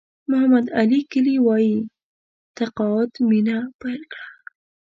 محمد علي کلي وایي تقاعد مینه پیل کړه.